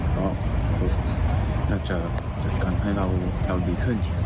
ก็คงน่าจะจัดการให้เราดีขึ้น